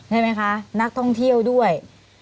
ใช่ไหมคะนักท่องเที่ยวด้วย